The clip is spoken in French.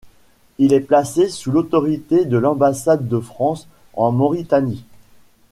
Il est placé sous l’autorité de l’Ambassade de France en Mauritanie.